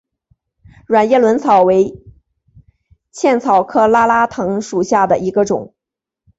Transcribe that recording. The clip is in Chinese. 卵叶轮草为茜草科拉拉藤属下的一个种。